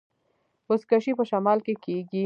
بزکشي په شمال کې کیږي